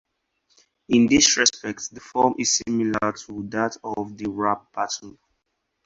In this respect, the form is similar to that of the rap battle.